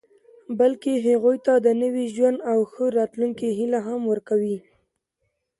بلکې هغوی ته د نوي ژوند او ښه راتلونکي هیله هم ورکوي